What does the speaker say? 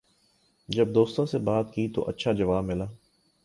جب دوستوں سے بات کی تو اچھا جواب ملا